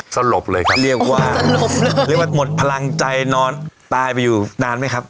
สลบเลยครับเรียกว่าเรียกว่าหมดพลังใจนอนตายไปอยู่นานไหมครับ